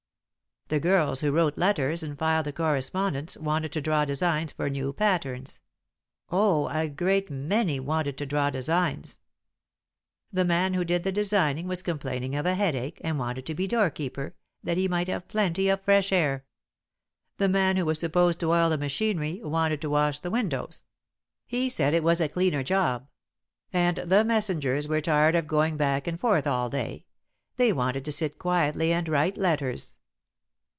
The girls who wrote letters and filed the correspondence wanted to draw designs for new patterns oh, a great many wanted to draw designs! [Sidenote: The Spirit of Love] "The man who did the designing was complaining of a headache, and wanted to be doorkeeper, that he might have plenty of fresh air. The man who was supposed to oil the machinery wanted to wash the windows he said it was a cleaner job; and the messengers were tired of going back and forth all day they wanted to sit quietly and write letters.